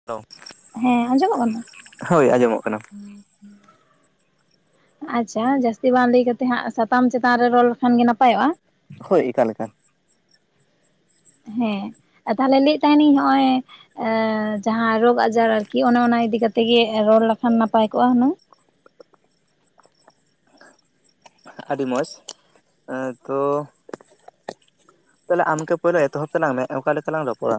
[inaudible] ᱦᱮᱸ ᱟᱸᱡᱚᱢᱚᱜ ᱠᱟᱱᱟ? ᱦᱳᱭ ᱟᱸᱡᱚᱢᱚᱜ ᱠᱟᱱᱟ ᱾ ᱟᱪᱪᱷᱟ ᱡᱟᱹᱥᱛᱤ ᱵᱟᱝ ᱞᱟᱹᱭ ᱠᱟᱛᱮ ᱦᱟᱸᱜ ᱥᱟᱛᱟᱢ ᱪᱮᱛᱟᱱ ᱨᱮ ᱨᱚᱲ ᱞᱮᱠᱷᱟᱱ ᱜᱮ ᱱᱟᱯᱟᱭᱚᱜᱼᱟ ᱾ ᱦᱳᱭ ᱮᱠᱟᱞ ᱮᱠᱟᱞ ᱾ ᱦᱮᱸ ᱛᱟᱦᱚᱞᱮ ᱞᱟᱹᱭᱮᱫ ᱛᱟᱦᱮᱱᱤᱧ ᱦᱚᱜᱼᱚᱭ ᱡᱟᱸᱦᱟᱸ ᱨᱳᱜᱽ ᱟᱡᱟᱨ ᱟᱨᱠᱤ ᱚᱱᱮ ᱚᱱᱟ ᱤᱫᱤ ᱠᱟᱛᱮᱜᱮ ᱨᱚᱲ ᱞᱮᱠᱷᱟᱱ ᱱᱟᱯᱟᱭ ᱠᱚᱜᱼᱟ ᱦᱩᱱᱟᱹᱝ᱾ ᱟᱹᱰᱤ ᱢᱚᱡᱽ ᱟᱸ ᱛᱚ ᱛᱟᱦᱚᱞᱮ ᱟᱢᱜᱮ ᱯᱳᱭᱞᱳ ᱮᱛᱚᱦᱚᱵ ᱛᱟᱞᱟᱝ ᱢᱮ ᱚᱠᱟ ᱞᱮᱠᱟᱞᱟᱝ ᱨᱚᱯᱚᱲᱟ᱾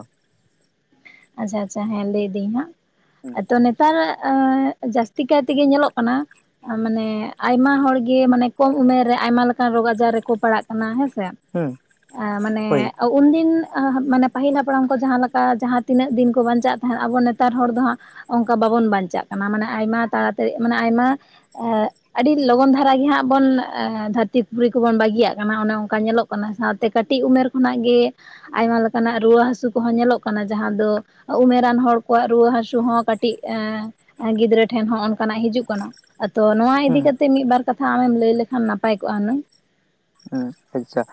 ᱟᱪᱷᱟ ᱟᱪᱪᱷᱟ ᱦᱮᱸ ᱞᱟᱹᱭᱫᱟᱹᱧ ᱦᱟᱸᱜ, ᱟᱫᱚ ᱛᱟᱨᱟᱜ ᱡᱟᱹᱥᱛᱤ ᱠᱟᱭ ᱛᱮᱜᱮ ᱧᱮᱞᱚᱜ ᱠᱟᱱᱟ ᱢᱟᱱᱮ ᱟᱭᱢᱟ ᱦᱚᱲᱜᱮ ᱢᱟᱱᱮ ᱠᱚᱢ ᱩᱢᱮᱨ ᱨᱮ ᱟᱭᱢᱟ ᱞᱮᱠᱟᱱ ᱨᱳᱜᱽ ᱟᱡᱟᱨ ᱨᱮᱠᱚ ᱯᱟᱲᱟᱜ ᱠᱟᱱᱟ ᱦᱮᱸ ᱥᱮ᱾ ᱦᱩᱸ ᱢᱟᱱᱮ ᱦᱳᱭ ᱩᱱᱫᱤᱱ ᱢᱟᱱᱮ ᱯᱟᱹᱦᱤᱞ ᱦᱟᱯᱲᱟᱢ ᱠᱚ ᱡᱟᱸᱦᱟᱸ ᱞᱮᱠᱟ ᱡᱟᱸᱦᱟᱸ ᱛᱤᱱᱟᱹᱜ ᱫᱤᱱ ᱠᱚ ᱵᱟᱧᱪᱟᱜ ᱛᱟᱦᱮᱸᱫ, ᱟᱵᱚ ᱱᱮᱛᱟᱨ ᱦᱚᱲ ᱫᱚ ᱦᱟᱸᱜ ᱚᱱᱠᱟ ᱵᱟᱵᱚᱱ ᱵᱟᱧᱪᱟᱜ ᱠᱟᱱᱟ, ᱢᱟᱱᱮ ᱟᱭᱢᱟ ᱛᱟᱲᱟᱛᱟᱲᱤ ᱢᱟᱱᱮ ᱟᱭᱢᱟ ᱮ ᱟᱹᱰᱤ ᱞᱚᱜᱚᱱ ᱫᱷᱟᱨᱟ ᱜᱮ ᱦᱟᱸᱜ ᱵᱚᱱ ᱮ ᱫᱷᱟᱹᱨᱛᱤ ᱯᱩᱨᱤ ᱠᱚᱵᱚᱱ ᱵᱟᱹᱜᱤᱭᱟᱜ ᱠᱟᱱᱟ ᱚᱱᱮ ᱚᱱᱠᱟ ᱧᱮᱞᱚᱜ ᱠᱟᱱᱟ᱾ ᱚᱱᱟ ᱥᱟᱶᱛᱮ ᱠᱟᱹᱴᱤᱡ ᱩᱢᱮᱨ ᱠᱷᱚᱱᱟᱜ ᱜᱮ ᱟᱭᱢᱟ ᱞᱮᱠᱟᱱᱟᱜ ᱨᱩᱣᱟᱹ ᱦᱟᱹᱥᱩ ᱠᱚᱦᱚᱸ ᱧᱮᱞᱚᱜ ᱠᱟᱱᱟ᱾ ᱡᱟᱸᱦᱟᱸ ᱫᱚ ᱩᱢᱮᱨᱟᱱ ᱦᱚᱲ ᱠᱚᱣᱟᱜ ᱨᱩᱣᱟᱹ ᱦᱟᱹᱥᱩ ᱦᱚᱸ ᱠᱟᱹᱴᱤᱡ ᱮ ᱜᱤᱫᱽᱨᱟᱹ ᱴᱷᱮᱱ ᱦᱚᱸ ᱚᱱᱠᱟᱱᱟᱜ ᱦᱤᱡᱩᱜ ᱠᱟᱱᱟ᱾ ᱟᱫᱚ ᱱᱚᱣᱟ ᱦᱩᱸ ᱤᱫᱤ ᱠᱟᱛᱮ ᱢᱤᱫᱵᱟᱨ ᱠᱟᱛᱷᱟ ᱟᱢᱮᱢ ᱞᱟᱹᱭ ᱞᱮᱠᱷᱟᱱ ᱱᱟᱯᱟᱭ ᱠᱚᱜᱼᱟ ᱦᱩᱱᱟᱹᱝ᱾ ᱦᱩᱸ, ᱟᱪᱪᱷᱟ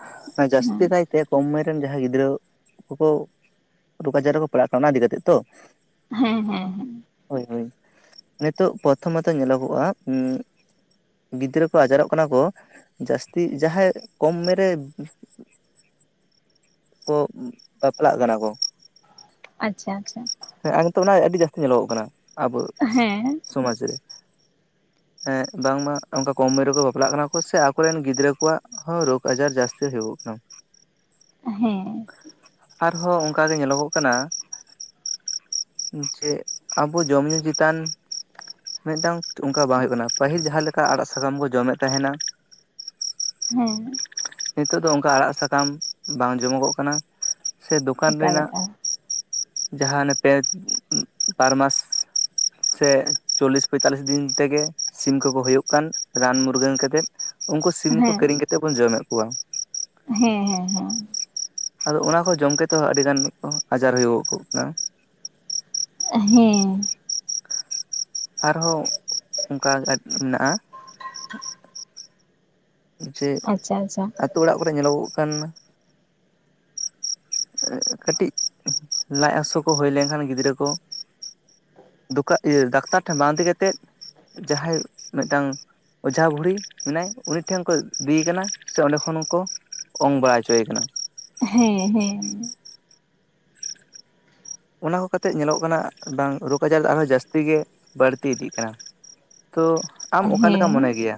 ᱡᱟᱹᱥᱛᱤ ᱦᱮᱸ ᱠᱟᱭ ᱛᱮ ᱠᱚᱢ ᱩᱢᱨᱮᱱ ᱡᱟᱸᱦᱟᱸᱭ ᱜᱤᱫᱽᱨᱟᱹ ᱠᱚ ᱨᱳᱜᱽ ᱟᱡᱟᱨ ᱨᱮᱠᱚ ᱯᱟᱲᱟᱜ ᱠᱟᱱᱟ ᱚᱱᱟ ᱤᱫᱤ ᱠᱟᱛᱮᱜ ᱛᱚ᱾ ᱦᱮᱸ ᱦᱮᱸ ᱦᱮᱸ ᱦᱳᱭ ᱦᱳᱭ ᱱᱤᱛᱳᱜ ᱯᱨᱚᱛᱷᱚᱢᱚᱛᱚ ᱧᱮᱞᱚᱜᱚᱜᱼᱟ ᱜᱤᱫᱽᱨᱟᱹ ᱠᱚ ᱟᱡᱟᱨᱚᱜ ᱠᱟᱱᱟ ᱠᱚ ᱡᱟᱹᱥᱛᱤ ᱡᱟᱸᱦᱟᱸᱭ ᱠᱚᱢ ᱩᱢᱮᱨ ᱨᱮ ᱠᱚ ᱵᱟᱯᱞᱟᱜ ᱠᱟᱱᱟ ᱠᱚ᱾ ᱟᱪᱪᱷᱟ ᱟᱪᱪᱷᱟ ᱦᱮᱸ ᱟ ᱱᱤᱛᱚᱜ ᱚᱱᱟ ᱟᱹᱰᱤ ᱡᱟᱹᱥᱛᱤ ᱧᱮᱞᱚᱜᱚᱜ ᱠᱟᱱᱟ ᱟᱵᱚ ᱦᱮᱸ ᱥᱚᱢᱟᱡ ᱨᱮ᱾ [inaudible] ᱦᱮᱸ ᱵᱟᱝᱢᱟ ᱚᱱᱠᱟ ᱠᱚᱢ ᱩᱢᱮᱨ ᱨᱮᱠᱚ ᱵᱟᱯᱞᱟᱜ ᱠᱟᱱᱟ ᱠᱚ ᱥᱮ ᱟᱠᱚᱨᱮᱱ ᱜᱤᱫᱽᱨᱟᱹ ᱠᱚᱣᱟᱜ ᱦᱚᱸ ᱨᱳᱜᱽ ᱟᱡᱟᱨ ᱡᱟᱹᱥᱛᱤ ᱦᱩᱭᱩᱜᱚᱜ ᱠᱟᱱᱟ᱾ ᱦᱮᱸ ᱟᱨᱦᱚᱸ ᱚᱝᱠᱟ ᱜᱮ ᱧᱮᱞᱚᱜᱚᱜ ᱠᱟᱱᱟ ᱡᱮ ᱟᱵᱚ ᱡᱚᱢ ᱧᱩ ᱪᱮᱛᱟᱱ ᱢᱤᱫᱴᱟᱝ ᱚᱝᱠᱟ ᱵᱟᱝ ᱦᱳᱭᱳᱜ ᱠᱟᱱᱟ ᱯᱟᱹᱦᱤᱞ ᱡᱟᱸᱦᱟᱸ ᱞᱮᱠᱟ ᱟᱲᱟᱜ ᱥᱟᱠᱟᱢ ᱵᱚ ᱡᱚᱢᱮᱫ ᱛᱟᱦᱮᱱᱟ, ᱦᱮᱸ ᱱᱤᱛᱳᱜ ᱫᱚ ᱚᱝᱠᱟ ᱟᱲᱟᱜ ᱥᱟᱠᱟᱢ ᱵᱟᱝ ᱡᱚᱢᱚᱜᱚᱜ ᱠᱟᱱᱟ ᱾ ᱥᱮ ᱫᱚᱠᱟᱱ ᱮᱠᱟᱞ ᱨᱮᱱᱟᱜ, ᱮᱠᱟᱞ ᱡᱟᱸᱦᱟᱸ ᱦᱟᱱᱮ ᱯᱮ ᱵᱟᱨᱢᱟᱥ ᱥᱮ ᱪᱚᱞᱞᱤᱥ ᱯᱚᱸᱭᱛᱟᱞᱞᱤᱥ ᱫᱤᱱ ᱛᱮᱜᱮ ᱥᱤᱢ ᱠᱚᱠᱚ ᱦᱩᱭᱩᱜ ᱠᱟᱱ ᱨᱟᱱ ᱢᱩᱨᱜᱟᱹᱱ ᱠᱟᱛᱮᱫ, ᱩᱝᱠᱩ ᱥᱤᱢ ᱠᱚ ᱦᱮᱸ ᱠᱤᱨᱤᱧ ᱠᱟᱛᱮᱫ ᱵᱚᱱ ᱡᱚᱢᱮᱫ ᱠᱚᱣᱟ ᱾ ᱦᱮᱸ ᱦᱮᱸ ᱦᱮᱸ ᱾ ᱟᱫᱚ ᱚᱱᱟ ᱠᱚ ᱡᱚᱢ ᱠᱟᱛᱮ ᱦᱚᱸ ᱟᱹᱰᱤ ᱜᱟᱱ ᱠᱚ ᱟᱡᱟᱨ ᱦᱩᱭᱩᱜᱚᱜ ᱠᱟᱱᱟ᱾ ᱦᱮᱸ ᱾ ᱟᱨᱦᱚᱸ ᱚᱱᱠᱟ [unintelligible] ᱢᱮᱱᱟᱜᱼᱟ ᱾ ᱡᱮ ᱟᱪᱪᱷᱟ ᱟᱪᱪᱷᱟ ᱟᱹᱛᱩ ᱚᱲᱟᱜ ᱠᱚᱨᱮ ᱧᱮᱞᱚᱜᱚᱜ ᱠᱟᱱ ᱮᱜ ᱠᱟᱹᱴᱤᱡ ᱞᱟᱡ ᱦᱟᱹᱥᱩ ᱠᱚ ᱦᱩᱭ ᱞᱮᱝᱠᱷᱟᱱ ᱜᱤᱫᱽᱨᱟᱹ ᱠᱚ [unintelligible] ᱤᱭᱟ. ᱫᱟᱠᱛᱟᱨ ᱴᱷᱮᱱ ᱵᱟᱝ ᱤᱫᱤ ᱠᱟᱛᱮᱫ ᱡᱟᱸᱦᱟᱸᱭ ᱢᱤᱫᱴᱟᱝ ᱚᱡᱷᱟ ᱵᱩᱲᱦᱤ ᱢᱮᱱᱟᱭ, ᱩᱱᱤ ᱩᱱᱤ ᱴᱷᱮᱱ ᱠᱚ ᱤᱫᱤᱭᱮ ᱠᱟᱱᱟ ᱥᱮ ᱚᱸᱰᱮ ᱠᱷᱚᱱ ᱠᱚ ᱚᱝ ᱵᱟᱲᱟ ᱦᱚᱪᱚᱭᱮ ᱠᱟᱱᱟ᱾ ᱦᱮᱸ ᱦᱮᱸ ᱚᱱᱟ ᱠᱚ ᱠᱟᱛᱮᱜ ᱧᱮᱞᱚᱜ ᱠᱟᱱᱟ ᱵᱟᱝ ᱨᱳᱜᱽ ᱟᱡᱟᱨ ᱟᱨᱦᱚᱸ ᱡᱟᱹᱥᱛᱤ ᱜᱮ ᱵᱟᱹᱲᱛᱤ ᱤᱫᱤᱜ ᱠᱟᱱᱟ᱾ ᱛᱚ ᱟᱢ ᱚᱠᱟ ᱞᱮᱠᱟᱢ ᱦᱮᱸ ᱢᱚᱱᱮ ᱜᱮᱭᱟ,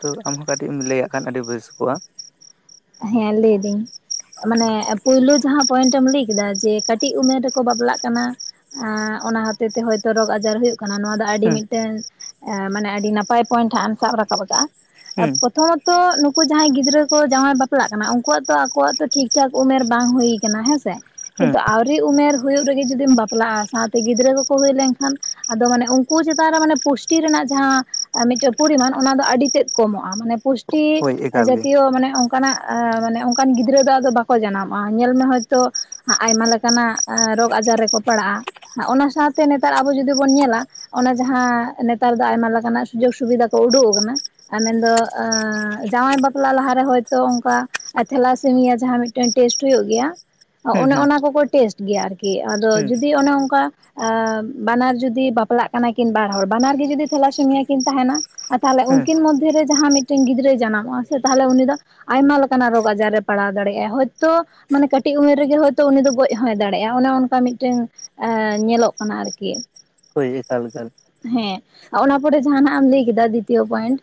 ᱛᱚ ᱟᱢᱦᱚᱸ ᱠᱟᱹᱴᱤᱡ ᱮᱢ ᱞᱟᱹᱭᱟᱜ ᱠᱷᱟᱱ ᱟᱹᱰᱤ ᱵᱮᱥ ᱠᱚᱜ-ᱟ᱾ ᱦᱮᱸ ᱞᱟᱹᱭᱫᱟᱹᱧ᱾ ᱢᱟᱱᱮ ᱯᱳᱭᱞᱳ ᱡᱟᱦᱟᱸ ᱯᱚᱭᱮᱱᱴ ᱮᱢ ᱞᱟᱹᱭ ᱠᱮᱫᱟ ᱡᱮ ᱠᱟᱹᱴᱤᱡ ᱩᱢᱮᱨ ᱨᱮᱠᱚ ᱵᱟᱯᱞᱟᱜ ᱠᱟᱱᱟ, ᱟᱸ ᱚᱱᱟ ᱦᱚᱛᱮ ᱛᱮ ᱦᱳᱭᱛᱳ ᱨᱳᱜᱽ ᱟᱡᱟᱨ ᱦᱩᱭᱩᱜ ᱠᱟᱱᱟ, ᱱᱚᱣᱟ ᱫᱚ ᱟᱹᱰᱤ ᱦᱩᱸ ᱢᱤᱫᱴᱟᱹᱝ ᱢᱟᱱᱮ ᱟᱹᱰᱤ ᱱᱟᱯᱟᱭ ᱯᱚᱭᱮᱱᱴ ᱦᱟᱸᱜ ᱮᱢ ᱥᱟᱵ ᱨᱟᱠᱟᱵ ᱟᱠᱟᱜ-ᱟ᱾ ᱦᱩᱸ ᱯᱨᱚᱛᱷᱚ ᱢᱚ ᱛᱚ ᱱᱩᱠᱩ ᱡᱟᱦᱟᱸᱭ ᱜᱤᱫᱽᱨᱟᱹ ᱠᱚ ᱡᱟᱶᱟᱭ ᱵᱟ ᱯᱞᱟᱜ ᱠᱟᱱᱟ ᱩᱱᱠᱩᱣᱟᱜ ᱛᱚ ᱟᱠᱚᱣᱟᱜ ᱛᱚ ᱴᱷᱤᱠ ᱴᱷᱟᱠ ᱩᱢᱮᱨ ᱵᱟᱝ ᱦᱩᱭ ᱠᱟᱱᱟ ᱦᱮᱸᱥᱮ, ᱦᱩᱸ ᱠᱤᱱᱛᱩ ᱟᱣᱨᱤ ᱩᱢᱮᱨ ᱦᱩᱭᱩᱜ ᱨᱮᱜᱮ ᱡᱩᱫᱤᱢ ᱵᱟᱯᱞᱟᱜ-ᱟ ᱥᱟᱶᱛᱮ ᱜᱤᱫᱽᱨᱟᱹ ᱠᱚᱠᱚ ᱦᱩᱭ ᱞᱮᱝᱠᱷᱟᱱ ᱟᱫᱚ ᱢᱟᱱᱮ ᱩᱱᱠᱩ ᱪᱮᱛᱟᱱ ᱨᱮ ᱢᱟᱱᱮ ᱯᱩᱥᱴᱤ ᱨᱮᱱᱟᱜ ᱡᱟᱦᱟᱸ ᱢᱤᱫᱴᱮᱡ ᱯᱚᱨᱤᱢᱟᱱ ᱚᱱᱟ ᱫᱚ ᱟᱹᱰᱤ ᱛᱮᱫ ᱠᱚᱢᱚᱜ-ᱟ ᱢᱟᱱᱮ ᱯᱩᱥᱴᱤ ᱦᱳᱭ ᱮᱠᱟᱞ ᱜᱮ ᱡᱟᱛᱤᱭᱚ ᱢᱟᱱᱮ ᱚᱝ ᱠᱟᱱᱟᱜ ᱟᱸ ᱢᱟᱱᱮ ᱚᱝᱠᱟᱱ ᱜᱤᱫᱽᱨᱟᱹ ᱫᱚ ᱟᱫᱚ ᱵᱟᱠᱚ ᱡᱟᱱᱟᱢᱚᱜ-ᱟ, ᱧᱮᱞ ᱢᱮ ᱦᱚᱭᱛᱚ ᱦᱟᱸᱜ ᱟᱭᱢᱟ ᱞᱮᱠᱟᱱᱟᱜ ᱨᱳᱜᱽ ᱟᱡᱟᱨ ᱨᱮᱠᱚ ᱯᱟᱲᱟᱜ-ᱟ, ᱚᱱᱟ ᱥᱟᱶᱛᱮ ᱱᱮᱛᱟᱨ ᱟᱵᱚ ᱡᱩᱫᱤ ᱵᱚᱱ ᱧᱮᱞᱟ ᱚᱱᱟ ᱡᱟᱦᱟᱸ ᱱᱮᱛᱟᱨ ᱫᱚ ᱟᱭᱢᱟ ᱞᱮᱠᱟᱱᱟᱜ ᱥᱩᱡᱳᱜᱽ ᱥᱩᱵᱤᱫᱷᱟ ᱠᱚ ᱳᱰᱳᱜ ᱟᱠᱟᱱᱟ, ᱟ ᱢᱮᱱᱫᱚ ᱡᱟᱶᱟᱭ ᱵᱟᱯᱞᱟ ᱞᱟᱦᱟ ᱨᱮ ᱦᱚᱭ ᱛᱚ ᱚᱝᱠᱟ, ᱛᱷᱮᱞᱟᱥᱤᱢᱤᱭᱟ ᱡᱟᱦᱟᱸ ᱢᱤᱫᱴᱮᱱ ᱴᱮᱥᱴ ᱦᱩᱭᱩᱜ ᱜᱮᱭᱟ, ᱦᱩᱸ ᱚᱱᱮ ᱦᱩᱸ ᱚᱱᱟ ᱠᱚᱠᱚ ᱴᱮᱥᱴ ᱜᱮᱭᱟ ᱟᱨᱠᱤ, ᱟᱫᱚ ᱦᱩᱸ ᱡᱩᱫᱤ ᱚᱱᱮ ᱚᱝᱠᱟ ᱟᱸ ᱵᱟᱱᱟᱨ ᱡᱩᱫᱤ ᱵᱟᱯᱞᱟᱜ ᱠᱟᱱᱟ ᱠᱤᱱ ᱵᱟᱨ ᱦᱚᱲ, ᱵᱟᱱᱟᱨ ᱜᱮ ᱡᱩᱫᱤ ᱛᱷᱮᱞᱟᱥᱤᱢᱤᱭᱟ ᱠᱤᱱ ᱛᱟᱦᱮᱸᱱᱟ ᱟᱨ ᱛᱟᱦᱚᱞᱮ ᱦᱩᱸ ᱩᱝᱠᱤᱱ ᱢᱚᱫᱽᱫᱷᱮ ᱨᱮ ᱡᱟᱦᱟᱸ ᱢᱤᱫᱴᱮᱝ ᱜᱤᱫᱽᱨᱟᱹᱭ ᱡᱟᱱᱟᱢᱚᱜ-ᱟ ᱥᱮ ᱛᱟᱦᱚᱞᱮ ᱩᱱᱤ ᱫᱚ ᱟᱭᱢᱟ ᱞᱮᱠᱟᱱᱟᱜ ᱨᱳᱜᱽ ᱟᱡᱟᱨ ᱨᱮ ᱯᱟᱲᱟᱣ ᱫᱟᱲᱮᱜ-ᱟᱭ, ᱦᱚᱭᱛᱳ ᱢᱟᱱᱮ ᱠᱟᱹᱴᱤᱡ ᱩᱢᱮᱨ ᱨᱮᱜᱮ ᱦᱚᱭᱛᱳ ᱩᱱᱤ ᱫᱚ ᱜᱚᱡ ᱦᱚᱸᱭ ᱫᱟᱲᱮᱜ-ᱟ ᱚᱱᱮ ᱚᱱᱠᱟ ᱢᱤᱫᱴᱟᱹᱝ ᱮᱸᱻ ᱧᱮᱞᱚᱜ ᱠᱟᱱᱟ ᱟᱨᱠᱤ᱾ ᱦᱳᱭ ᱮᱠᱟᱞ ᱮᱠᱟᱞ᱾ ᱦᱮᱸ ᱚᱱᱟ ᱯᱚᱨᱮ ᱡᱟᱦᱟᱸ ᱱᱟᱦᱟᱜ ᱮᱢ ᱞᱟᱹᱭ ᱠᱮᱫᱟ ᱫᱤᱛᱤᱭᱚ ᱯᱚᱭᱮᱱᱴ,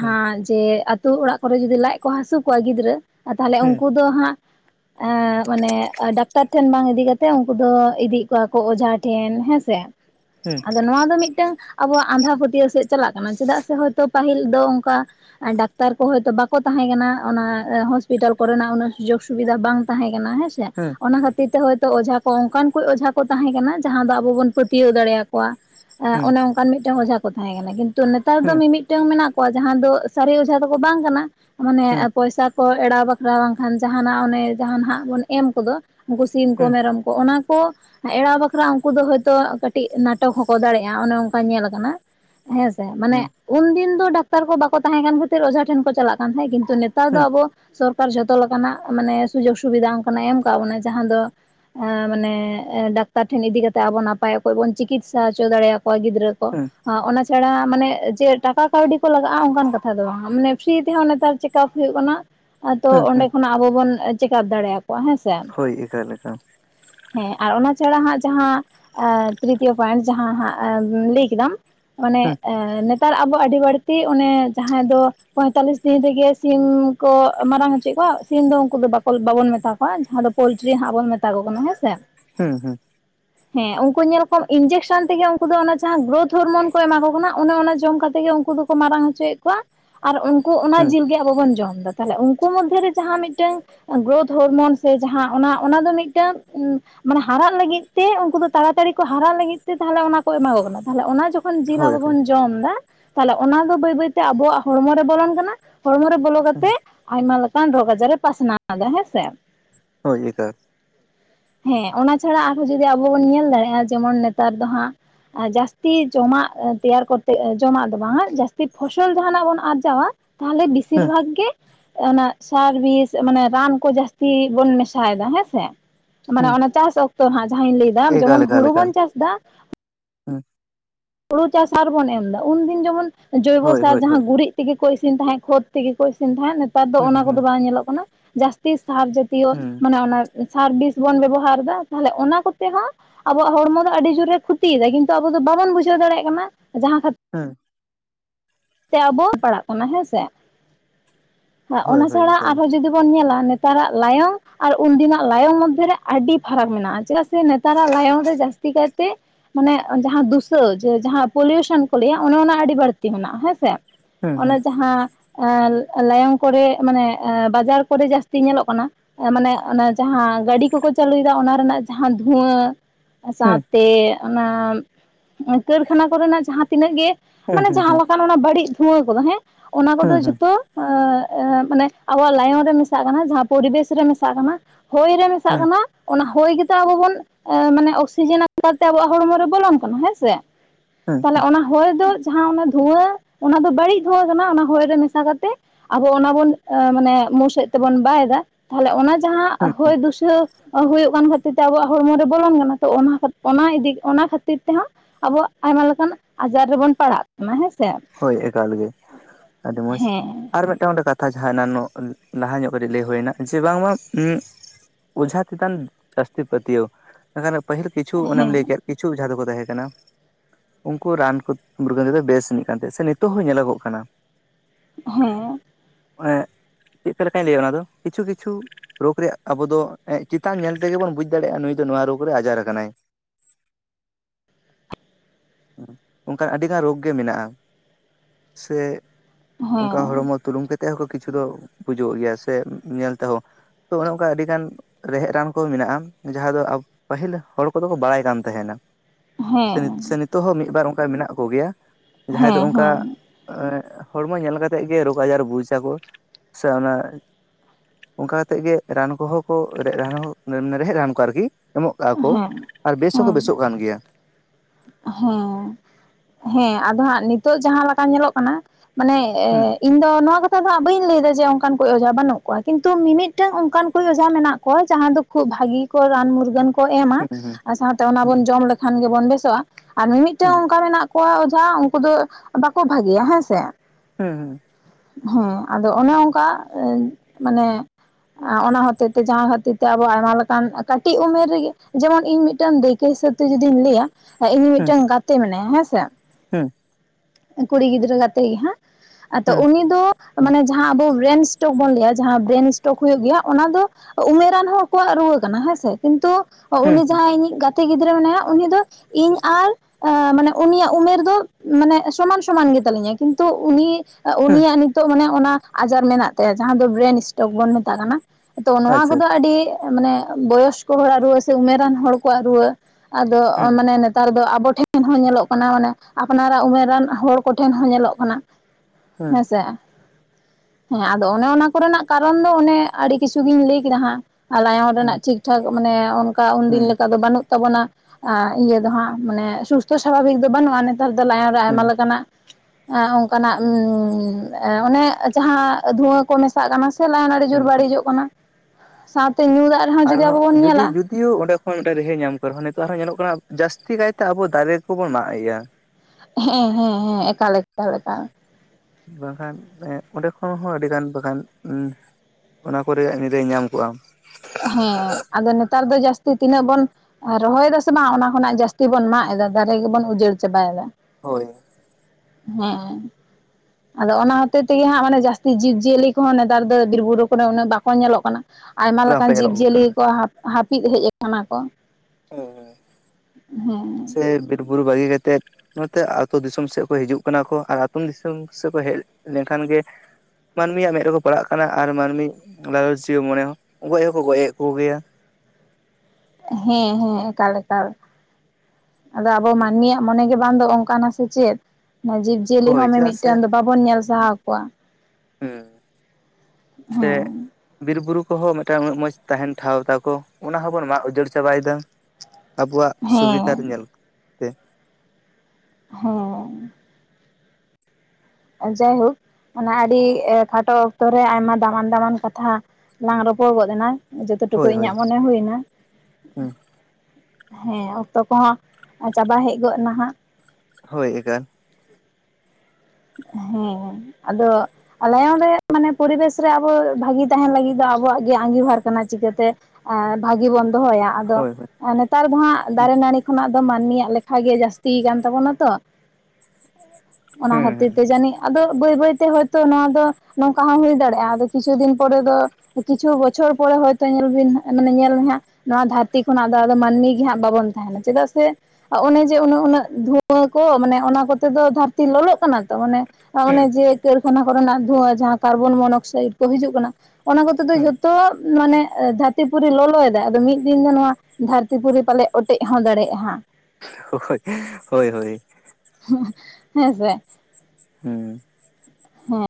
ᱦᱩᱸ ᱡᱮ ᱟᱛᱩ ᱚᱲᱟᱜ ᱠᱚᱨᱮ ᱡᱚᱫᱤ ᱞᱟᱡ ᱠᱚ ᱦᱟᱥᱩ ᱠᱚᱣᱟ ᱜᱤᱫᱽᱨᱟᱹ, ᱟᱨ ᱛᱟᱦᱞᱮ ᱦᱩᱸ ᱩᱱᱠᱩ ᱫᱚ ᱦᱟᱸᱜ ᱮᱸ ᱢᱟᱱᱮ ᱰᱟᱠᱛᱟᱨ ᱴᱷᱮᱱ ᱵᱟᱝ ᱤᱫᱤ ᱠᱟᱛᱮᱜ ᱩᱱᱠᱩ ᱫᱚ ᱤᱫᱤᱜ ᱠᱚᱣᱟ ᱠᱚ ᱚᱡᱷᱟ ᱴᱷᱮᱱ ᱦᱮᱸ ᱥᱮ, ᱦᱮᱸ᱾ ᱟᱫᱚ ᱱᱚᱣᱟ ᱫᱚ ᱢᱤᱫᱴᱟᱹᱝ ᱟᱵᱚᱣᱟᱜ ᱟᱸᱫᱷᱟ ᱯᱟᱹᱛᱤᱭᱟᱹᱣ ᱥᱮᱜ ᱪᱟᱞᱟᱜ ᱠᱟᱱᱟ ᱪᱮᱫᱟᱜ ᱥᱮ ᱦᱚᱭᱛᱳ ᱯᱟᱹᱦᱤᱞ ᱫᱚ ᱚᱝᱠᱟ ᱟᱨ ᱰᱟᱠᱛᱟᱨ ᱠᱚ ᱦᱚᱭᱛᱚ ᱵᱟᱠᱚ ᱛᱟᱦᱮᱸ ᱠᱟᱱᱟ ᱚᱱᱟ ᱦᱚᱥᱯᱤᱴᱟᱞ ᱠᱚ ᱨᱮᱱᱟᱜ ᱩᱱᱟᱹᱜ ᱥᱩᱡᱳᱜᱽ ᱥᱩᱵᱤᱫᱷᱟ ᱵᱟᱝ ᱛᱟᱦᱮᱸ ᱠᱟᱱᱟ ᱦᱮᱸ ᱥᱮ, ᱦᱩᱸ ᱚᱱᱟ ᱠᱷᱟᱹ ᱛᱤᱨ ᱛᱮ ᱦᱚᱭᱛᱳ ᱚᱡᱷᱟ ᱠᱚ ᱚᱝᱠᱟᱱ ᱠᱩᱡ ᱚᱡᱷᱟ ᱠᱚ ᱛᱟᱦᱮᱸ ᱠᱟᱱᱟ ᱡᱟᱦᱟᱸ ᱫᱚ ᱟᱵᱚ ᱵᱚᱱ ᱯᱟᱹᱛᱤᱭᱟᱹᱣ ᱫᱟᱲᱮᱭᱟ ᱠᱚᱣᱟ, ᱟᱸ ᱦᱩᱸ ᱚᱱᱮ ᱚᱝᱠᱟᱱ ᱢᱤᱫᱴᱟᱹᱝ ᱚᱡᱷᱟ ᱠᱚ ᱛᱟᱦᱮᱸ ᱠᱟᱱᱟ, ᱠᱤᱱᱛᱩ ᱱᱮᱛᱟᱨ ᱫᱚ ᱦᱩᱸ ᱢᱤᱢᱤᱫ ᱴᱟᱹᱝ ᱢᱮᱱᱟᱜ ᱠᱚᱣᱟ ᱡᱟᱦᱟᱸ ᱫᱚ ᱥᱟᱨᱤ ᱚᱡᱷᱟ ᱫᱚᱠᱚ ᱵᱟᱝ ᱠᱟᱱᱟ, ᱢᱟᱱᱮ ᱦᱩᱸ ᱯᱚᱭᱥᱟ ᱠᱚ ᱮᱲᱟᱣ ᱵᱟᱠᱷᱨᱟ ᱵᱟᱝ ᱠᱷᱟᱱ ᱡᱟᱦᱟᱸᱱᱟᱜ ᱚᱱᱮ ᱡᱟᱦᱟᱸᱱ ᱦᱟᱸᱜ ᱵᱚᱱ ᱮᱢ ᱠᱚᱫᱚ ᱩᱝᱠᱩ ᱥᱤᱢ ᱠᱚ, ᱦᱩᱸ ᱢᱮᱨᱚᱢ ᱠᱚ ᱚᱱᱟ ᱠᱚ ᱮᱲᱟᱣ ᱵᱟᱠᱷᱨᱟ ᱩᱝᱠᱩ ᱫᱚ ᱦᱚᱭᱛᱚ ᱠᱟᱹᱴᱤᱡ ᱱᱟ ᱴᱚᱠ ᱦᱚᱸ ᱠᱚ ᱫᱟᱲᱮᱜ-ᱟ ᱚᱱᱮ ᱚᱝᱠᱟ ᱧᱮᱞ ᱟᱠᱟᱱᱟ, ᱦᱮᱸ ᱥᱮ, ᱢᱟᱱᱮ ᱦᱩᱸ ᱩᱱᱫᱤᱱ ᱫᱚ ᱰᱟᱠᱛᱟᱨ ᱠᱚ ᱵᱟᱠᱚ ᱛᱟᱦᱮᱸ ᱠᱟᱱ ᱠᱷᱟᱹᱛᱤᱨ ᱚᱡᱷᱟ ᱴᱷᱮᱱ ᱠᱚ ᱪᱟᱞᱟᱜ ᱠᱟᱱᱹᱛᱟᱦᱮᱸᱜ ᱠᱤᱱᱛᱩ ᱱᱮᱛᱟᱨ ᱫᱚ ᱦᱩᱸ ᱟᱵᱚ ᱥᱚᱨᱠᱟᱨ ᱡᱷᱚᱛᱚ ᱞᱮᱠᱟᱱᱟᱜ ᱢᱟᱱᱮ ᱥᱩᱡᱳᱜᱽ ᱥᱩᱵᱤᱫᱷᱟ ᱚᱝᱠᱟᱱᱟᱜ ᱮᱢ ᱠᱟᱜ ᱵᱚᱱᱟᱭ ᱡᱟᱦᱟᱸ ᱫᱚ ᱦᱮᱸ ᱢᱟᱱᱮ ᱰᱟᱠᱛᱟᱨ ᱴᱷᱮᱱ ᱤᱫᱤ ᱠᱟᱛᱮᱜ ᱟᱵᱚ ᱱᱟᱯᱟᱭ ᱚᱠᱚᱡ ᱵᱚᱱ ᱪᱤᱠᱤᱛ ᱥᱟ ᱦᱚᱪᱚ ᱫᱟᱲᱮᱭᱟ ᱠᱚᱣᱟ ᱜᱤᱫᱽᱨᱟᱹ ᱠᱚ, ᱦᱩᱸ ᱦᱚᱸ ᱚᱱᱟ ᱪᱷᱟᱲᱟ ᱢᱟᱱᱮ ᱡᱮ ᱴᱟᱠᱟ ᱠᱟᱣᱰᱤ ᱠᱚ ᱞᱟᱜᱟᱜ-ᱟ ᱚᱝᱠᱟᱱ ᱠᱟᱛᱷᱟ ᱫᱚ ᱵᱟᱝ ᱢᱟᱱᱮ ᱯᱷᱨᱤ ᱛᱮᱦᱚᱸ ᱱᱮᱛᱟᱨ ᱪᱮ ᱠᱟᱯ ᱦᱩᱭᱩᱜ ᱠᱟᱱᱟ, ᱛᱚ ᱦᱩᱸ ᱦᱩᱸ ᱚᱱᱰᱮ ᱠᱷᱚᱱᱟᱜ ᱟᱵᱚ ᱵᱚᱱ ᱪᱮᱠᱟᱯ ᱫᱟᱲᱮᱭᱟ ᱠᱚᱣᱟ ᱦᱮᱸ ᱦᱳᱭ ᱮᱠᱟᱞ ᱮᱠᱟᱞ᱾ ᱦᱮᱸ ᱟᱨ ᱚᱱᱟ ᱪᱷᱟᱲᱟ ᱦᱟᱸᱜ ᱡᱟᱦᱟᱸ ᱮᱸ ᱛᱨᱤᱯ [inaudible] ᱡᱟᱦᱟᱸ ᱦᱟᱸᱜ ᱞᱟᱹᱭ ᱠᱮᱫᱟᱢ, ᱢᱟᱱᱮ ᱦᱩᱸ ᱱᱮᱛᱟᱨ ᱟᱵᱚ ᱟᱹᱰᱤ ᱵᱟᱹᱲ ᱛᱤ ᱚᱱᱮ ᱡᱟᱦᱟᱸ ᱫᱚ ᱯᱚᱸᱭᱛᱟᱞᱞᱤᱥ ᱫᱤᱱ ᱨᱮᱜᱮ ᱥᱤᱢ ᱠᱚ ᱢᱟᱨᱟᱝ ᱦᱚᱪᱚᱭᱮᱜ ᱠᱚᱣᱟ ᱥᱤᱢ ᱫᱚ ᱩᱱᱠᱩ ᱫᱚ ᱵᱟᱠᱚᱞ ᱵᱟᱵᱚᱱ ᱢᱮᱛᱟ ᱠᱚᱣᱟ ᱡᱟᱦᱟᱸ ᱫᱚ ᱯᱳᱞᱴᱨᱤ ᱦᱟᱸᱜ ᱵᱚᱱ ᱢᱮᱛᱟ ᱠᱚ ᱠᱟᱱᱟ ᱦᱮᱸ ᱥᱮ ᱾ ᱦᱮᱸ ᱦᱮᱸ ᱾ ᱦᱮᱸ ᱩᱝᱠᱩ ᱧᱮᱞ ᱠᱚᱢ ᱤᱧᱡᱮᱠᱥᱮᱱ ᱛᱮᱜᱮ ᱩᱝᱠᱩ ᱫᱚ ᱚᱱᱟ ᱡᱟᱦᱟᱸ ᱜᱨᱳᱛᱷ ᱦᱚᱨᱢᱚᱱ ᱠᱚ ᱮᱢᱟ ᱠᱚ ᱠᱟᱱᱟ ᱚᱱᱮ ᱚᱱᱟ ᱡᱚᱢ ᱠᱟᱛᱮ ᱜᱮ ᱩᱝᱠᱩ ᱫᱚᱠᱚ ᱢᱟᱨᱟᱝ ᱦᱚᱪᱚᱭᱮᱜ ᱠᱚᱣᱟ ᱾ ᱟᱨ ᱳᱝᱠᱳ ᱚᱱᱟ ᱦᱩᱸ ᱡᱤᱞ ᱜᱮ ᱟᱵᱟᱵᱚᱱ ᱡᱚᱢ ᱮᱫᱟ, ᱛᱟᱦᱞᱮ ᱩᱝᱠᱩ ᱢᱚᱫᱽᱫᱷᱮᱨᱮ ᱡᱟᱦᱟᱸ ᱢᱤᱫᱴᱟᱝ ᱜᱨᱳᱛᱷ ᱦᱚᱨᱢᱚᱱ ᱥᱮ ᱡᱟᱦᱟᱸ ᱚᱱᱟ ᱚᱱᱟ ᱫᱚ ᱢᱤᱫᱴᱟᱝ ᱩᱸ ᱢᱟᱱᱮ ᱦᱟᱨᱟᱜ ᱞᱟᱹᱜᱤᱫ ᱛᱮ ᱩᱝᱠᱩ ᱫᱚ ᱛᱟᱲᱟᱛᱟᱲᱤ ᱠᱚ ᱦᱟᱨᱟᱜ ᱞᱟᱹᱜᱤᱫ ᱛᱮ ᱛᱟᱦᱚᱞᱮ ᱚᱱᱟ ᱠᱚ ᱮᱢᱟ ᱠᱚ ᱠᱟᱱᱟ, ᱛᱟᱦᱚᱞᱮ ᱚᱱᱟ ᱡᱚᱠᱷᱚᱱ ᱡᱤᱞ ᱦᱳᱭ ᱦᱳᱭ ᱟᱵᱚᱵᱚᱱ ᱡᱚᱢ ᱫᱟ, ᱛᱟᱦᱚᱞᱮ ᱚᱱᱟ ᱫᱚ ᱵᱟᱹᱭ ᱵᱟᱹᱭᱛᱮ ᱟᱵᱚᱣᱟᱜ ᱦᱚᱲᱢᱚ ᱨᱮ ᱵᱚᱞᱚᱱ ᱠᱟᱱᱟ, ᱦᱚᱲᱢᱚ ᱨᱮ ᱵᱚᱞᱚ ᱦᱩᱸ ᱠᱟᱛᱮ ᱟᱭᱢᱟ ᱞᱮᱠᱟᱱ ᱨᱳᱜᱽ ᱟᱡᱟᱨ ᱮ ᱯᱟᱥᱱᱟᱣ ᱮᱫᱟ ᱦᱮᱸᱥᱮ ᱾ ᱦᱳᱭ [unintelligible] ᱦᱮᱸ, ᱚᱱᱟ ᱪᱷᱟᱲᱟ ᱟᱨᱦᱚᱸ ᱡᱩᱫᱤ ᱟᱵᱚ ᱵᱚᱱ ᱧᱮᱞ ᱫᱟᱲᱮᱭᱟᱜᱼᱟ ᱡᱮᱢᱚᱱ ᱱᱮᱛᱟᱨ ᱫᱚ ᱦᱟᱸᱜ ᱟ ᱡᱟᱹᱥᱛᱤ ᱡᱚᱢᱟᱜ ᱛᱮᱭᱟᱨ ᱠᱚᱨᱛᱮ ᱡᱚᱢᱟᱜ ᱫᱚ ᱵᱟᱝᱟ ᱡᱟᱹᱥᱛᱤ ᱯᱷᱚᱥᱚᱞ ᱡᱟᱦᱟᱱᱟᱜ ᱵᱚᱱ ᱟᱨᱡᱟᱣᱟ ᱛᱟᱦᱚᱞᱮ ᱵᱤᱥᱤᱨ ᱦᱩᱸ ᱵᱷᱟᱜᱽ ᱜᱮ ᱚᱱᱟ ᱥᱟᱨ ᱵᱤᱥ ᱢᱟᱱᱮ ᱨᱟᱱ ᱠᱚ ᱡᱟᱹᱥᱛᱤ ᱵᱚᱱ ᱢᱮᱥᱟᱭᱮᱫᱟ, ᱦᱮᱸᱥᱮ ᱾ ᱢᱟᱱᱮ ᱦᱩᱸ ᱚᱱᱟ ᱪᱟᱥ ᱚᱠᱛᱚ ᱦᱟᱸᱜ ᱡᱟᱦᱟᱸᱧ ᱞᱟᱹᱭᱫᱟ ᱮᱠᱟᱞ ᱡᱮᱢᱚᱱ ᱮᱠᱟᱞ ᱦᱩᱲᱩ ᱵᱚᱱ ᱮᱠᱟᱞ ᱪᱟᱥ ᱮᱫᱟ ᱾ ᱦᱩᱸ ᱦᱩᱲᱩ ᱪᱟᱥ ᱥᱟᱨ ᱵᱚᱱ ᱮᱢ ᱫᱟ ᱩᱱᱫᱤᱱ ᱡᱮᱢᱚᱱ ᱡᱚᱭᱵᱚ ᱦᱳᱭ ᱥᱟᱨ ᱦᱳᱭ ᱡᱟᱦᱟᱸ ᱦᱳᱭ ᱜᱩᱨᱤᱡ ᱛᱮᱜᱮ ᱠᱚ ᱤᱥᱤᱱ ᱛᱟᱦᱮᱸᱫ ᱠᱷᱚᱛ ᱛᱮᱜᱮ ᱠᱚ ᱤᱥᱤᱱ ᱛᱟᱦᱮᱸᱫ, ᱱᱮᱛᱟᱨ ᱫᱚ ᱦᱩᱸ ᱚᱱᱟ ᱠᱚᱫᱚ ᱦᱩᱸ ᱵᱟᱝ ᱧᱮᱞᱚᱜ ᱠᱟᱱᱟ, ᱡᱟᱹᱥᱛᱤ ᱥᱟᱨ ᱡᱟ ᱛᱤᱭᱚ ᱦᱩᱸ ᱢᱟᱱᱮ ᱚᱱᱟ ᱥᱟᱨ ᱵᱤᱥ ᱵᱚᱱ ᱵᱮᱵᱚᱦᱟᱨ ᱮᱫᱟ, ᱛᱟᱦᱚᱞᱮ ᱚᱱᱟ ᱠᱚᱛᱮ ᱦᱚᱸ ᱟᱵᱚᱣᱟᱜ ᱦᱚᱲᱢᱚ ᱫᱚ ᱟᱹᱰᱤ ᱡᱩᱨ ᱨᱮ ᱠᱷᱚᱛᱤᱭᱮᱫᱟ ᱠᱤᱱᱛᱩ ᱟᱵᱚ ᱫᱚ ᱵᱟᱵᱚᱱ ᱵᱩᱡᱷᱟᱹᱣ ᱫᱟᱲᱮᱭᱟᱜ ᱠᱟᱱᱟ ᱾ ᱡᱟᱦᱟᱸ ᱠᱷᱟᱹᱛ ᱦᱮᱸ ᱾ ᱛᱮ ᱟᱵᱚ ᱯᱟᱲᱟᱜ ᱠᱟᱱᱟ ᱦᱮᱸ ᱥᱮ, ᱦᱳᱭ ᱚᱱᱟ ᱦᱳᱭ ᱪᱷᱟᱲᱟ ᱮᱠᱟᱞ ᱟᱨᱦᱚᱸ ᱡᱩᱫᱤ ᱵᱚᱱ ᱧᱮᱞᱟ ᱱᱮ ᱛᱟᱨᱟᱜ ᱞᱟᱭᱚᱝ ᱟᱨ ᱩᱱᱫᱤᱱᱟᱜ ᱞᱟᱭᱚᱝ ᱢᱚᱫᱽᱫᱷᱮ ᱨᱮ ᱟᱹᱰᱤ ᱯᱷᱟᱨᱟᱠ ᱢᱮᱱᱟᱜᱼᱟ, ᱪᱮᱫᱟᱜ ᱥᱮ ᱱᱮᱛᱟᱨᱟᱜ ᱞᱟᱭᱚᱝ ᱨᱮ ᱡᱟᱹᱥᱛᱤ ᱠᱟᱭ ᱛᱮ ᱢᱟᱱᱮ ᱡᱟᱦᱟᱸ ᱫᱩᱥᱟᱹᱣ ᱡᱮ ᱡᱟᱦᱟᱸ ᱯᱚᱞᱤᱭᱩᱥᱚᱱ ᱠᱚ ᱞᱟᱹᱭᱟ ᱚᱱᱮ ᱚᱱᱟ ᱟᱹᱰᱤ ᱵᱟᱹᱲᱛᱤ ᱢᱮᱱᱟᱜᱼᱟ, ᱦᱮᱸᱥᱮ ᱦᱩᱸ ᱾ ᱚᱱᱮ ᱦᱩᱸ ᱡᱟᱦᱟᱸ ᱮᱸ ᱞᱟᱭᱚᱝ ᱠᱚᱨᱮᱜ ᱢᱟᱱᱮ ᱮᱸ ᱵᱟᱡᱟᱨ ᱠᱚᱨᱮ ᱡᱟᱹᱥᱛᱤ ᱧᱮᱞᱚᱜ ᱠᱟᱱᱟ ᱾ ᱮᱸ ᱢᱟᱱᱮ ᱚᱱᱟ ᱡᱟᱦᱟᱸ ᱜᱟᱹᱰᱤ ᱠᱚᱠᱚ ᱪᱟᱹᱞᱩᱭᱮᱫᱟ ᱚᱱᱟ ᱨᱮᱱᱟᱜ ᱡᱟᱦᱟᱸ ᱫᱷᱩᱣᱟᱹ ᱦᱩᱸ ᱥᱟᱶᱛᱮ ᱚᱱᱟ ᱠᱟᱹᱨᱠᱷᱟᱱᱟ ᱠᱚᱨᱮᱱᱟᱜ ᱡᱟᱦᱟᱸᱛᱤᱱᱟᱹᱜ ᱜᱮ ᱦᱩᱸ ᱢᱟᱱᱮ ᱦᱩᱸ ᱦᱩᱸ ᱦᱩᱸ ᱡᱟᱦᱟᱸᱞᱮᱠᱟᱱ ᱚᱱᱟ ᱵᱟᱹᱲᱤᱡ ᱫᱷᱩᱣᱟᱹ ᱠᱚᱫᱚ ᱦᱮᱸ ᱚᱱᱟ ᱠᱚᱫᱚ ᱦᱩᱸ ᱡᱷᱚᱛᱚ ᱚᱸᱻ ᱚᱸᱻ ᱢᱟᱱᱮ ᱟᱵᱚᱣᱟᱜ ᱞᱟᱭᱚᱝ ᱨᱮ ᱢᱮᱥᱟᱜ ᱠᱟᱱᱟ ᱡᱟᱦᱟᱸ ᱯᱚᱨᱤᱵᱮᱥ ᱨᱮ ᱢᱮᱥᱟᱜ ᱠᱟᱱᱟ ᱾ ᱦᱚᱭ ᱨᱮ ᱢᱮᱥᱟᱜ ᱦᱩᱸ ᱠᱟᱱᱟ, ᱚᱱᱟ ᱦᱚᱭ ᱜᱮᱛ ᱛᱚ ᱟᱵᱚ ᱵᱚᱱ ᱮ ᱢᱟᱱᱮ ᱚᱠᱥᱤᱡᱮᱱ [unintelligible] ᱟᱵᱚᱣᱟᱜ ᱦᱚᱲᱢᱚ ᱨᱮ ᱵᱚᱞᱚᱱ ᱠᱟᱱᱟ ᱦᱮᱸᱥᱮ, ᱦᱩᱸ ᱦᱩᱸ ᱛᱟᱦᱚᱞᱮ ᱚᱱᱟ ᱦᱚᱭ ᱫᱚ ᱡᱟᱦᱟᱸ ᱚᱱᱟ ᱫᱷᱩᱣᱟᱹ ᱚᱱᱟ ᱫᱚ ᱵᱟᱹᱲᱤᱡ ᱫᱷᱩᱣᱟᱹ ᱠᱟᱱᱟ ᱚᱱᱟ ᱦᱚᱭ ᱨᱮ ᱢᱮᱥᱟ ᱠᱟᱛᱮ ᱟᱵᱚ ᱚᱱᱟ ᱵᱚᱱ ᱮᱸ ᱢᱟᱱᱮ ᱢᱩ ᱥᱮᱫ ᱛᱮᱵᱚᱱ ᱵᱟᱭ ᱮᱫᱟ, ᱛᱟᱦᱞᱮ ᱚᱱᱟ ᱡᱟᱦᱟᱸ ᱦᱩᱸ ᱦᱚᱭ ᱫᱩᱥᱟᱹᱣ ᱚ ᱦᱩᱭᱩᱜ ᱠᱟᱱ ᱠᱷᱟᱹᱛᱤᱨ ᱛᱮ ᱟᱵᱚᱣᱟᱜ ᱦᱚᱲᱢᱚ ᱨᱮ ᱵᱚᱞᱚᱱ ᱠᱟᱱᱟ ᱛᱚ ᱚᱱᱟ ᱚᱱᱟ ᱠᱷᱟᱛ ᱚᱱᱟ ᱤᱫᱤ ᱚᱱᱟ ᱠᱷᱟᱹᱛᱤᱨ ᱛᱮᱦᱚᱸ ᱟᱵᱚᱣᱟᱜ ᱟᱭᱢᱟ ᱞᱮᱠᱟᱱᱟᱜ ᱟᱡᱟᱨ ᱨᱮᱵᱚᱱ ᱯᱟᱲᱟᱜ ᱠᱟᱱᱟ, ᱦᱮᱸᱥᱮ ᱾ ᱦᱳᱭ ᱮᱠᱟᱞ ᱜᱮ, ᱟᱹᱰᱤ ᱢᱚᱸᱡᱽ ᱦᱮᱸ ᱾ ᱟᱨ ᱢᱮᱫᱴᱟᱱ ᱠᱟᱛᱷᱟ ᱡᱟᱦᱟᱸ ᱮᱱᱟ ᱱᱚᱜ ᱞᱟᱦᱟ ᱧᱚᱜ ᱠᱟᱹᱴᱤᱜ ᱞᱟᱹᱭ ᱦᱩᱭᱱᱟ ᱡᱮ ᱵᱟᱝᱢᱟ ᱩᱸᱜ ᱚᱡᱷᱟ ᱪᱮᱛᱟᱱ ᱡᱟᱹᱥᱛᱤ ᱯᱟᱹᱛᱭᱟᱹᱣ, ᱮᱠᱷᱟᱱ ᱯᱟᱹᱦᱤᱞ ᱠᱤᱪᱷᱩ ᱚᱱᱮᱢ ᱦᱮᱸ ᱞᱟᱹᱭ ᱠᱮᱫ ᱾ ᱠᱤᱪᱷᱩ ᱚᱡᱷᱟ ᱫᱚᱠᱚ ᱛᱟᱦᱮᱸ ᱠᱟᱱᱟ, ᱩᱝᱠᱩ ᱨᱟᱱ ᱠᱩᱛ ᱢᱩᱨᱜᱟᱹᱱ ᱛᱮᱠᱚ ᱵᱮᱥ ᱱᱤᱜ ᱠᱟᱱᱛᱮᱜ ᱥᱮ ᱱᱤᱛᱚᱜ ᱦᱚᱸ ᱧᱮᱞᱚᱜᱚᱜ ᱠᱟᱱᱟ ᱾ ᱦᱮᱸ ᱾ ᱮᱸᱜ ᱪᱮᱫᱠᱟ ᱞᱮᱠᱟᱧ ᱞᱟᱹᱭᱟ ᱚᱱᱟ ᱫᱚ, ᱠᱤᱪᱷᱩ ᱠᱤᱪᱷᱩ ᱨᱳᱜᱽ ᱨᱮᱭᱟᱜ, ᱟᱵᱚ ᱫᱚ ᱪᱮᱛᱟᱱ ᱧᱮᱞ ᱛᱮᱜᱮ, ᱵᱚᱱ ᱵᱩᱡ ᱫᱟᱲᱮᱭᱟᱜᱼᱟ, ᱱᱩᱭ ᱫᱚ ᱱᱚᱣᱟ ᱨᱳᱜᱽ ᱨᱮ, ᱟᱡᱟᱨ ᱟᱠᱟᱱᱟᱭ ᱾ [inaudible] ᱚᱝᱠᱟ, ᱟᱹᱰᱤ ᱜᱟᱱ ᱨᱳᱜᱽ ᱜᱮ, ᱢᱮᱱᱟᱜᱼᱟ ᱾ ᱥᱮ ᱚᱱᱠᱟ ᱦᱚᱲᱢᱚ ᱛᱩᱱᱩᱢ ᱠᱟᱛᱮᱜ ᱦᱚᱸᱠᱚ, ᱠᱤᱪᱷᱩ ᱫᱚ, ᱵᱩᱡᱚᱜ ᱜᱮᱭᱟ, ᱥᱮ, ᱧᱮᱞ ᱛᱮᱦᱚᱸ ᱛᱚ, ᱚᱱᱮ ᱚᱱᱠᱟ, ᱟᱹᱰᱤ ᱜᱟᱱ ᱨᱮᱦᱮᱫ ᱨᱟᱱ ᱠᱚ ᱢᱮᱱᱟᱜᱼᱟ, ᱡᱟᱦᱟᱸ ᱫᱚ, ᱯᱟᱹᱦᱤᱞ ᱦᱚᱲ ᱠᱚᱫᱚ ᱠᱚ, ᱵᱟᱲᱟᱭ ᱠᱟᱱ ᱛᱟᱦᱮᱱᱟ ᱾ ᱦᱮᱸ ᱥᱮ, ᱱᱤᱛᱚᱜ ᱦᱚᱸ, ᱢᱤᱫ ᱵᱟᱨ ᱚᱱᱠᱟ ᱢᱮᱱᱟᱜ ᱠᱚ, ᱜᱮᱭᱟ, ᱦᱮᱸ ᱡᱟᱦᱟᱸᱭ ᱫᱚ, ᱦᱮᱸ ᱚᱱᱠᱟ ᱦᱮᱸ ᱚᱸᱭᱻᱮ, ᱦᱚᱲᱢᱚ ᱧᱮᱞ ᱠᱟᱛᱮᱜ ᱜᱮ, ᱨᱳᱜᱽ ᱟᱡᱟᱨ ᱵᱩᱡᱟ ᱟᱠᱚ, ᱥᱮ ᱚᱱᱟ ᱚᱱᱠᱟ ᱠᱟᱛᱮᱫ ᱜᱮ, ᱨᱟᱱ ᱠᱚᱦᱚᱸ ᱠᱚ, ᱨᱮᱦᱮᱛ ᱨᱟᱱ, ᱨᱮᱦᱮᱫ ᱨᱟᱱ ᱠᱚ, ᱟᱨᱠᱤ ᱮᱢᱚᱜ ᱠᱟᱜᱼᱟ ᱦᱮᱸ ᱠᱚ, ᱟᱨ ᱵᱮᱥ ᱦᱚᱸᱠᱚ, ᱦᱮᱸ ᱵᱮᱥᱚᱜ ᱠᱟᱱ ᱜᱮᱭᱟ ᱾ ᱦᱮᱸ, ᱦᱮᱸ ᱟᱫᱚ ᱦᱟᱸᱜ, ᱱᱤᱛᱚᱜ ᱡᱟᱦᱟᱸ ᱞᱮᱠᱟ ᱧᱮᱞᱚᱜ ᱠᱟᱱᱟ, ᱢᱟᱱᱮ ᱦᱩᱸ ᱤᱧ ᱫᱚ ᱱᱚᱣᱟ ᱠᱟᱛᱷᱟ ᱫᱚ ᱦᱟᱸᱜ, ᱵᱟᱹᱧ ᱞᱟᱹᱭ ᱮᱫᱟ ᱾ ᱡᱮ, ᱚᱱᱠᱟᱱ ᱠᱚ ᱚᱡᱷᱟ ᱵᱟᱹᱱᱩᱜ ᱠᱚᱣᱟ, ᱠᱤᱱᱛᱩ, ᱢᱤᱢᱤᱫᱴᱟᱝ ᱚᱱᱠᱟᱱ ᱠᱚ, ᱚᱡᱷᱟ ᱢᱮᱱᱟᱜ ᱠᱚᱣᱟ, ᱡᱟᱦᱟᱸ ᱫᱚ ᱠᱷᱩᱵ ᱵᱷᱟᱹᱜᱤ ᱠᱚ, ᱨᱟᱱ ᱢᱩᱨᱜᱟᱹᱱ ᱠᱚ ᱠᱚ ᱮᱢᱟ᱾ ᱦᱩᱸ ᱟᱨ ᱥᱟᱶᱛᱮ, ᱚᱱᱟ ᱵᱚᱱ ᱦᱩᱸ ᱡᱚᱢ ᱞᱮᱠᱷᱟᱱ ᱜᱮᱵᱚᱱ ᱵᱮᱥᱚᱜᱼᱟ, ᱟᱨ ᱢᱤᱢᱤᱫᱴᱟᱝ ᱦᱩᱸ ᱚᱱᱠᱟ ᱢᱮᱱᱟᱜ ᱠᱚᱭ ᱚᱡᱷᱟ, ᱩᱱᱠᱩ ᱫᱚ ᱵᱟᱠᱚ ᱵᱷᱟᱜᱮᱭᱟ ᱾ ᱦᱮᱸ ᱥᱮ ᱾ ᱦᱮᱸᱻ ᱦᱮᱸᱻ ᱾ ᱦᱚᱸ ᱟᱫᱚ, ᱚᱱᱮ ᱚᱱᱠᱟ ᱮᱼ ᱢᱟᱱᱮ ᱚᱱᱟ ᱦᱚᱛᱮ ᱛᱮ, ᱡᱟᱦᱟᱸ ᱠᱷᱟᱹᱛᱤᱨ ᱛᱮ, ᱟᱵᱚ ᱟᱭᱢᱟ ᱞᱮᱠᱟᱱ, ᱠᱟᱹᱴᱤᱡ ᱩᱢᱮᱨ ᱨᱮᱜᱮ, ᱡᱮᱢᱚᱱ ᱤᱧ ᱢᱤᱫᱴᱮᱱ ᱫᱟᱹᱭᱠᱟᱹ ᱦᱤᱥᱟᱹᱵ ᱛᱮ, ᱱᱤᱛᱳᱜ ᱡᱩᱫᱤᱧ ᱞᱟᱹᱭᱟ, ᱤᱧ ᱦᱩᱸ ᱢᱤᱫᱴᱮᱱ ᱜᱟᱛᱮ ᱢᱮᱱᱟᱭᱟ, ᱦᱮᱸᱥᱮ ᱾ ᱦᱩᱸ ᱠᱩᱲᱤ ᱜᱤᱫᱽᱨᱟᱹ ᱜᱟᱛᱮ ᱜᱮ ᱦᱟᱸᱜ, ᱟᱫᱚ ᱦᱩᱸ ᱩᱱᱤ ᱫᱚ ᱢᱟᱱᱮ, ᱡᱟᱦᱟᱸ ᱟᱵᱚ, ᱵᱨᱮᱱ ᱥᱴᱳᱠ ᱵᱚᱱ ᱞᱟᱹᱭᱟ, ᱡᱟᱦᱟᱸ ᱵᱨᱮᱱ ᱥᱴᱳᱠ ᱦᱳᱭᱳᱜ ᱜᱮᱭᱟ, ᱚᱱᱟᱫᱚ ᱩᱢᱮᱨᱟᱱ ᱦᱚᱲ ᱠᱚᱣᱟᱜ ᱨᱩᱣᱟᱹ ᱠᱟᱱᱟ, ᱦᱮᱸ ᱥᱮ, ᱠᱤᱱᱛᱩ ᱩᱱᱤ ᱦᱩᱸ ᱦᱩᱸ ᱦᱩᱸ ᱡᱟᱦᱟᱸᱭ, ᱤᱧᱤᱡ ᱜᱟᱛᱮ ᱜᱤᱫᱽᱨᱟᱹ ᱢᱮᱱᱟᱭᱟ, ᱩᱱᱤ ᱫᱚ ᱤᱧ ᱟᱨ ᱟᱸᱻ ᱢᱟᱱᱮ, ᱩᱱᱤᱭᱟᱜ ᱩᱢᱮᱨ ᱫᱚ, ᱢᱟᱱᱮ ᱥᱚᱢᱟᱱ ᱥᱚᱢᱟᱱ ᱜᱮ, ᱛᱟᱞᱤᱧᱟ, ᱠᱤᱱᱛᱩ, ᱩᱱᱤ ᱦᱩᱸ ᱩᱱᱤᱭᱟᱜ ᱱᱤᱛᱚᱜ ᱢᱟᱱᱮ, ᱚᱱᱟ ᱟᱡᱟᱨ ᱢᱮᱱᱟᱜ ᱛᱟᱭᱟ, ᱡᱟᱦᱟᱸ ᱫᱚ ᱵᱨᱮᱱ ᱥᱴᱳᱚᱠ ᱵᱚᱱ, ᱢᱮᱛᱟᱜ ᱠᱟᱱᱟ ᱾ ᱛᱚ, ᱱᱚᱶᱟ ᱟᱪᱪᱷᱟ ᱠᱚᱫᱚ, ᱟᱹᱰᱤ ᱢᱟᱱᱮ ᱵᱚᱭᱚᱥᱠᱚ ᱦᱚᱲᱟᱜ ᱨᱩᱣᱟᱹ, ᱥᱮ ᱩᱢᱮᱨᱟᱱ ᱦᱚᱲ ᱠᱚᱣᱟᱜ ᱨᱩᱣᱟᱹ ᱾ ᱟᱫᱚ ᱚᱻ ᱦᱩᱸ ᱢᱟᱱᱮ, ᱨᱮᱫᱚ ᱟᱵᱚ ᱴᱷᱮᱱ ᱦᱚᱸ, ᱧᱮᱞᱚᱜ ᱠᱟᱱᱟ ᱾ ᱢᱟᱱᱮ, ᱟᱯᱱᱟᱨᱟᱜ ᱩᱢᱮᱨᱟᱱ ᱦᱚᱲ ᱠᱚ, ᱴᱷᱮᱱ ᱦᱚᱸ, ᱧᱮᱞᱚᱜ ᱠᱟᱱᱟ ᱾ ᱦᱩᱸ ᱦᱮᱸ ᱥᱮ‌ ᱾ ᱦᱮᱸᱻᱟᱫᱚ, ᱚᱱᱮ ᱚᱱᱟ ᱠᱚ ᱨᱮᱱᱟᱜ, ᱠᱟᱨᱚᱱ ᱫᱚ, ᱚᱱᱮ ᱟᱹᱰᱤ ᱠᱤᱪᱷᱩ ᱜᱤᱧ, ᱞᱟᱹᱭ ᱠᱮᱫᱟ ᱦᱟᱸᱜ ᱾ ᱟᱞᱟᱭᱚᱱ ᱦᱩᱸ ᱨᱮᱱᱟᱜ, ᱴᱷᱤᱠ ᱴᱷᱟᱠ ᱢᱟᱱᱮ, ᱚᱱᱠᱟ ᱩᱱᱫᱤᱱ ᱦᱩᱸ ᱞᱮᱠᱟ ᱫᱚ, ᱵᱟᱹᱱᱩᱜ ᱛᱟᱵᱚᱱᱟ᱾ ᱟᱸᱻ ᱤᱭᱟᱹ ᱫᱚ ᱦᱟᱸᱜ, ᱢᱟᱱᱮ ᱥᱩᱥᱛᱷ ᱥᱟᱵᱷᱟᱵᱤᱠ ᱫᱚ ᱵᱟᱹᱱᱩᱜᱼᱟ, ᱱᱮᱛᱟᱨ ᱫᱚ ᱞᱟᱭᱚᱝ ᱨᱮ, ᱟᱭᱢᱟ ᱦᱩᱸ ᱞᱮᱠᱟᱱᱟᱜ ᱟᱻ ᱚᱱᱠᱟᱱᱟᱜ, ᱩᱡ, ᱚᱱᱮ ᱡᱟᱦᱟᱸ ᱟᱫᱷᱩᱣᱟᱹ ᱠᱚ ᱢᱮᱥᱟᱜ ᱠᱟᱱᱟ, ᱥᱮ ᱞᱟᱭᱚᱝ ᱟᱹᱰᱤ ᱡᱳᱨ ᱦᱩᱸ ᱦᱩᱸ ᱵᱟᱹᱲᱤᱡᱚᱜ ᱠᱟᱱᱟ ᱾ ᱥᱟᱶᱛᱮ ᱧᱩ ᱫᱟᱜ ᱨᱮᱦᱚᱸ, ᱡᱩᱫᱤ, ᱟᱵᱚ ᱵᱚᱱ ᱧᱮᱞᱟ ᱭᱳ ᱚᱸᱰᱮ ᱠᱷᱚᱱ, ᱢᱤᱫᱴᱮᱱ ᱨᱮᱦᱟᱹᱭ ᱧᱟᱢ ᱠᱚ ᱨᱮᱦᱚᱸ, ᱱᱤᱛᱚᱜ ᱟᱨᱦᱚᱸ ᱧᱮᱞᱚᱜ ᱠᱟᱱᱟ, ᱡᱟᱹᱥᱛᱤ ᱠᱟᱭᱛᱮ ᱟᱵᱚ, ᱫᱟᱨᱮ ᱠᱚᱵᱚᱱ ᱢᱟᱜ ᱮᱭᱟ ᱾ ᱦᱮᱸ, ᱦᱮᱸ ᱦᱮᱸ, ᱮᱠᱟᱞ, ᱮᱠᱟᱞ ᱮᱠᱟᱞ ᱾ ᱵᱟᱝᱠᱷᱟᱱ, ᱚᱸᱰᱮ ᱠᱷᱚᱱ ᱦᱚᱸ, ᱟᱹᱰᱤ ᱜᱟᱱ ᱵᱟᱜᱟᱱ ᱩᱸᱻ ᱚᱱᱟ ᱠᱚᱨᱮ, ᱧᱤᱫᱟᱹᱭ ᱧᱟᱢ ᱠᱚᱜᱼᱟ ᱾ ᱦᱮᱸᱻ ᱟᱫᱚ, ᱱᱮᱛᱟᱨ ᱫᱚ ᱡᱟᱹᱥᱛᱤ ᱛᱤᱱᱟᱹᱜ ᱵᱚᱱ ᱟᱨ ᱨᱚᱦᱚᱭ ᱮᱫᱟ ᱥᱮ ᱵᱟᱝ, ᱚᱱᱟ ᱠᱷᱚᱱᱟᱜ ᱡᱟᱹᱥᱛᱤ ᱵᱚᱱ ᱢᱟᱜ ᱮᱫᱟ, ᱫᱟᱨᱮ ᱜᱮ, ᱵᱚᱱ ᱩᱡᱟᱹᱲ ᱪᱟᱵᱟᱭ ᱮᱫᱟ ᱾ ᱦᱳᱭ ᱾ ᱦᱮᱸᱻ ᱾ ᱟᱫᱚ ᱚᱱᱟ ᱦᱚᱛᱮ ᱛᱮᱜᱮ ᱦᱟᱸᱜ, ᱢᱟᱱᱮ ᱡᱟᱹᱥᱛᱤ ᱡᱤᱵᱽ ᱡᱤᱭᱟᱹᱞᱤ ᱠᱚᱦᱚᱸ, ᱱᱮᱛᱟᱨ ᱫᱚ ᱵᱤᱨ ᱵᱩᱨᱩ ᱠᱚᱨᱮ, ᱩᱱᱟᱹᱜ ᱵᱟᱠᱚ ᱧᱮᱞᱚᱜ ᱠᱟᱱᱟ ᱾ ᱟᱭᱢᱟ ᱚᱱᱮ ᱚᱱᱠᱟ ᱞᱮᱠᱟᱱ ᱡᱤᱵᱽ ᱧᱮᱞᱚᱜ ᱡᱤᱭᱟᱹᱞᱤ ᱠᱟᱱᱟ ᱠᱚ, ᱦᱟᱯ ᱦᱟᱹᱯᱤᱫ ᱦᱮᱡ ᱟᱠᱟᱱᱟ ᱾ ᱚᱱᱟ ᱠᱚ, ᱦᱮᱸ ᱾ ᱥᱮᱨ, ᱵᱤᱨ ᱵᱩᱨᱩ ᱵᱟᱹᱜᱤ ᱠᱟᱛᱮᱫ ᱱᱚᱛᱮ ᱟ ᱟᱹᱛᱩ ᱫᱤᱥᱚᱢ ᱥᱮᱫ ᱠᱚ ᱦᱤᱡᱩᱜ ᱠᱟᱱᱟ ᱠᱚ ᱟᱨ ᱟᱛᱳ ᱫᱤᱥᱚᱢ ᱥᱮᱫ ᱠᱚ ᱦᱮᱡ ᱞᱮᱱᱠᱷᱟᱱ ᱜᱮ ᱢᱟᱹᱱᱢᱤᱭᱟᱜ ᱢᱮᱫ ᱨᱮᱠᱚ ᱯᱟᱲᱦᱟᱜ ᱠᱟᱱᱟ ᱟᱨ ᱢᱟᱹᱱᱢᱤ ᱞᱟᱞᱚ ᱡᱤᱭᱟᱹᱣ ᱢᱚᱱᱮ ᱦᱚᱸ ᱜᱚᱡ ᱦᱚᱸᱠᱚ ᱜᱚᱡ ᱮᱫ ᱠᱚ ᱜᱮᱭᱟ ᱾ ᱦᱮᱸ ᱦᱮᱸ ᱮᱠᱟᱞ ᱮᱠᱟᱞ ᱟᱫᱚ ᱟᱵᱚ ᱢᱟᱹᱱᱢᱤᱭᱟᱜ ᱢᱚᱱᱮ ᱜᱮ ᱵᱟᱝᱫᱚ ᱚᱱᱠᱟᱱᱟ ᱥᱮ ᱪᱮᱫ ᱡᱤ ᱦᱳᱭ ᱦᱚᱸ ᱪᱮᱫᱟᱜ ᱥᱮ ᱢᱤᱼᱢᱤᱫᱴᱟᱝ ᱫᱚ ᱵᱟᱵᱚᱱ ᱧᱮᱞ ᱥᱟᱦᱟᱣ ᱠᱚᱣᱟ ᱾ ᱦᱩᱸ ᱦᱮᱸ ᱾ ᱥᱮ ᱵᱤᱨ ᱵᱩᱨᱩ ᱠᱚᱦᱚᱸ ᱢᱤᱫᱴᱟᱝ ᱩᱱᱟᱹᱜ ᱢᱚᱸᱡᱽ ᱛᱟᱦᱮᱱ ᱴᱷᱟᱶ ᱛᱟᱠᱚ ᱚᱱᱟ ᱦᱚᱸᱵᱚᱱ ᱢᱟᱜ ᱩᱡᱟᱹᱲ ᱪᱟᱵᱟᱭᱮᱫᱟ ᱾ ᱟᱵᱚᱣᱟᱜ ᱥᱩᱵᱤᱫᱟᱨ ᱦᱮᱸ ᱧᱮᱞ ᱛᱮ ᱦᱮ ᱾ ᱡᱟᱭᱦᱳᱠ ᱚᱱᱟ ᱟᱹᱰᱤ ᱮ ᱠᱷᱟᱴᱚ ᱚᱠᱛᱚ ᱨᱮ ᱟᱭᱢᱟ ᱫᱟᱢᱟᱱ ᱫᱟᱢᱟᱱ ᱠᱟᱛᱷᱟ ᱞᱟᱝ ᱨᱚᱯᱚᱲ ᱜᱚᱫ ᱮᱱᱟ ᱾ ᱡᱚᱛᱚ ᱴᱩᱠᱩ ᱦᱳᱭ ᱦᱳᱭ ᱤᱧᱟᱹᱜ ᱢᱚᱱᱮ ᱦᱩᱭ ᱮᱱᱟ ᱾ ᱦᱩᱸ ᱦᱮᱸ ᱚᱠᱛᱚ ᱠᱚᱦᱚᱸ ᱪᱟᱵᱟ ᱦᱮᱡ ᱜᱚᱫ ᱱᱟᱦᱟᱜ᱾ ᱦᱳᱭ ᱮᱠᱟ ᱾ ᱦᱮᱸ ᱟᱫᱚ ᱟᱞᱮ ᱦᱚᱸᱞᱮ ᱢᱟᱱᱮ ᱯᱚᱨᱤᱵᱮᱥ ᱨᱮ ᱟᱵᱚ ᱵᱷᱟᱹᱜᱤ ᱛᱟᱦᱮᱱ ᱞᱟᱹᱜᱤᱫ ᱫᱚ ᱟᱵᱚᱣᱟᱜ ᱜᱮ ᱟᱸᱜᱤᱵᱷᱟᱨ ᱠᱟᱱᱟ ᱪᱤᱠᱟᱹ ᱛᱮ ᱮᱸ ᱵᱷᱟᱜᱤ ᱵᱚᱱ ᱫᱚᱦᱚᱭᱟ ᱟᱫᱚ ᱦᱳᱭ ᱦᱳᱭ ᱮᱸ ᱱᱮᱛᱟᱨ ᱫᱚ ᱦᱟᱸᱜ ᱦᱩᱸ ᱫᱟᱨᱮ ᱱᱟᱹᱲᱤ ᱠᱷᱚᱱᱟᱜ ᱫᱚ ᱢᱟᱹᱱᱢᱤᱭᱟᱜ ᱞᱮᱠᱷᱟ ᱜᱮ ᱡᱟᱥᱛᱤᱭ ᱠᱟᱱ ᱛᱟᱵᱚᱱᱟ ᱛᱚ ᱚᱱᱟ ᱦᱩᱸ ᱦᱚᱛ ᱦᱩᱸ ᱡᱟᱱᱤᱡ ᱟᱫᱚ ᱵᱟᱹᱭ ᱵᱟᱹᱭ ᱛᱮ ᱦᱚᱭᱛᱳ ᱱᱚᱣᱟ ᱫᱚ ᱱᱚᱝᱠᱟ ᱦᱚᱸ ᱦᱩᱭ ᱫᱟᱲᱮᱭᱟᱜ-ᱟ ᱟᱫᱚ ᱠᱤᱪᱷᱩ ᱫᱤᱱ ᱯᱚᱨᱮ ᱫᱚ ᱠᱤᱪᱷᱩ ᱵᱚᱪᱷᱚᱨ ᱯᱚᱨᱮ ᱦᱚᱭᱛᱳ ᱧᱮᱞ ᱵᱤᱱ ᱢᱟᱱᱮ ᱧᱮᱞ ᱢᱮ ᱦᱟᱸᱜ ᱱᱚᱣᱟ ᱫᱷᱟᱹᱨᱛᱤ ᱠᱷᱚᱱ ᱟᱫᱚ ᱟᱫᱚ ᱢᱟᱹᱱᱢᱤ ᱜᱮ ᱦᱟᱸᱜ ᱵᱟᱵᱚᱱ ᱛᱟᱦᱮᱱᱟ, ᱪᱮᱫᱟᱜ ᱥᱮ? ᱟ ᱚᱱᱮ ᱡᱮ ᱩᱱᱟᱹᱜ ᱩᱱᱟᱹᱜ ᱫᱷᱩᱣᱟᱹ ᱠᱚ ᱢᱟᱱᱮ ᱚᱱᱟ ᱠᱚᱛᱮ ᱫᱚ ᱫᱷᱟᱹᱨᱛᱤ ᱞᱚᱞᱚᱜ ᱠᱟᱱᱟ᱾ ᱛᱚ ᱚᱱᱮ ᱚᱱᱮ ᱡᱮ ᱠᱟᱹᱨᱠᱷᱟᱱᱟ ᱠᱚ ᱨᱮᱱᱟᱜ ᱫᱷᱩᱣᱟᱹ ᱡᱟᱦᱟᱸ ᱠᱟᱨᱵᱚᱱᱢᱚᱱ ᱚᱠᱥᱟᱭᱤᱰ᱾ ᱠᱚ ᱦᱤᱡᱩᱜ ᱠᱟᱱᱟ ᱚᱱᱟ ᱠᱚᱛᱮ ᱫᱚ ᱦᱩᱸ ᱡᱷᱚᱛᱚ ᱢᱟᱱᱮ ᱫᱷᱟᱛ ᱫᱷᱟᱹᱨᱛᱤ ᱯᱩᱨᱤ ᱞᱚᱞᱚᱭ ᱮᱫᱟᱭ ᱟᱫᱚ ᱢᱤᱫ ᱫᱤᱱ ᱫᱚ ᱱᱚᱣᱟ ᱫᱷᱟᱹᱨᱛᱤ ᱯᱩᱨᱤ ᱯᱟᱞᱮᱜ ᱚᱴᱮᱡ ᱦᱚᱸ ᱫᱟᱲᱮᱭᱟᱜᱼᱟ ᱦᱟᱸᱜ ᱾ ᱦᱳᱦᱳᱭ ᱦᱳᱭ ᱦᱳᱭ ᱾ ᱦᱮᱸ ᱦᱮᱸ ᱥᱮ? ᱦᱮᱸ ᱾